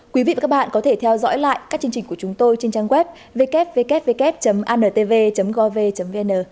quý vị và các bạn có thể theo dõi lại các chương trình của chúng tôi trên trang web ww antv gov vn